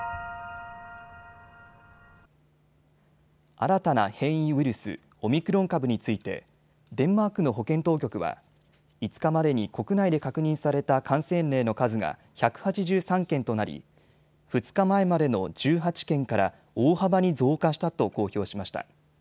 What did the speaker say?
新たな変異ウイルス、オミクロン株についてデンマークの保健当局は５日までに国内で確認された感染例の数が１８３件となり、２日前までの１８件から大幅に増加したと公表しました。